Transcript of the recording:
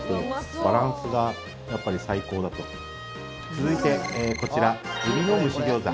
続いて、こちら海老の蒸し餃子。